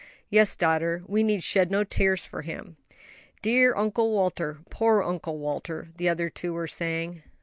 "Yes, daughter, we need shed no tears for him." "Dear Uncle Walter," "Poor Uncle Walter!" the other two were saying.